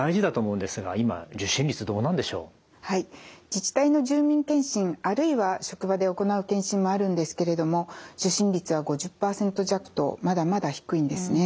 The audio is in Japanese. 自治体の住民検診あるいは職場で行う検診もあるんですけれども受診率は５０％弱とまだまだ低いんですね。